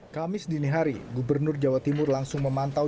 kamis dinihari gubernur jawa timur langsung memantau